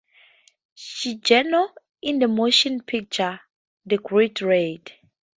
Shigeno in the motion picture, "The Great Raid".